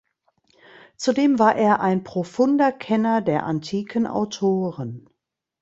Zudem war er ein profunder Kenner der antiken Autoren.